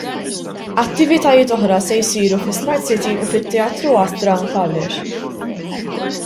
Attivitajiet oħra se jsiru fi Smart City u fit-Teatru Astra f'Għawdex.